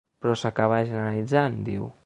Però s’acaba generalitzant, diu.